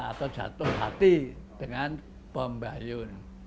atau jatuh hati dengan pembayun